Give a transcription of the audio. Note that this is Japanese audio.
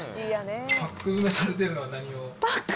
パック詰めされているのは、パック？